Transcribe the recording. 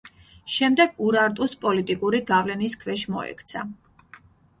შემდეგ ურარტუს პოლიტიკური გავლენის ქვეშ მოექცა.